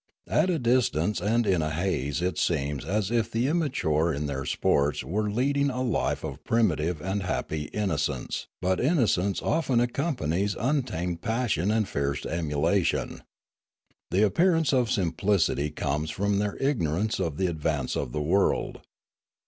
At a distance and in a haze it seems as if the immature in their sports were leading a life of primitive and happy innocence; but innocence often accompanies un tamed passion and fierce emulation. The appearance of simplicity comes from their ignorance of the advance of the world.